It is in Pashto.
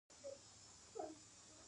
نفت د افغانستان د طبیعت برخه ده.